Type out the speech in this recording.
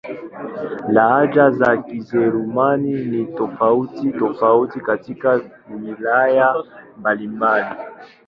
Lahaja za Kijerumani ni tofauti-tofauti katika wilaya mbalimbali.